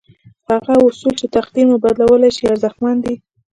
هغه اصول چې تقدير مو بدلولای شي ارزښتمن دي.